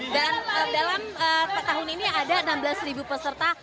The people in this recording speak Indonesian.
dan dalam tahun ini ada enam belas peserta